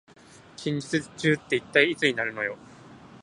近日中って一体いつになるのよ